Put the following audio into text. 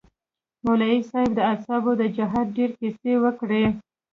مولوي صاحب د اصحابو د جهاد ډېرې كيسې وكړې.